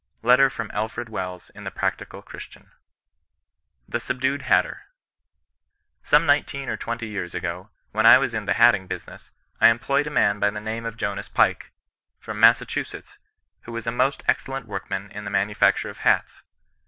— Letter from Alfred Wells in the Practical Christian, THE SUBDUED HATTER. Some nineteen or twenty years ago, when I was in the hatting business, I employed a man by the name of Jonas Pike, from Massachusetts, who was a most excel lent workman in the manufacture of hats.